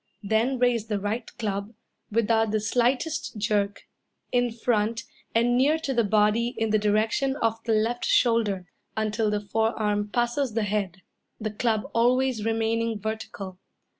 Then raise the right club, without the slightest jerk, in front and near to the body in the direction of the left shoulder, until the forearm passes the head, the club always remaining vertical.